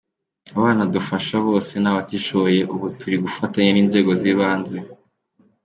Abana dufasha bose ni abatishoboye, ubu turi gufatanya n’inzego z’ibanze.